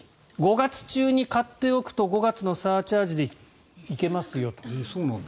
５月中に買っておくと５月のサーチャージで行けますよと。